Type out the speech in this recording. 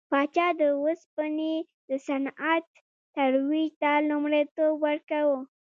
پاچا د اوسپنې د صنعت ترویج ته لومړیتوب نه ورکاوه.